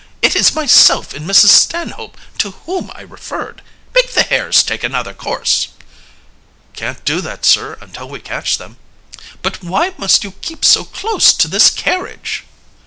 It is myself and Mrs. Stanhope to whom I referred. Make the hares take another course." "Can't do that, sir, until we catch them." "But why must you keep so close to this carriage?"